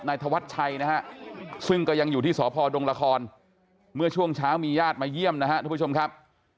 ธวัชชัยนะฮะซึ่งก็ยังอยู่ที่สพดงละครเมื่อช่วงเช้ามีญาติมาเยี่ยมนะครับทุกผู้ชมครับ